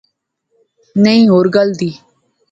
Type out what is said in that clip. نئیں، ہور گل دی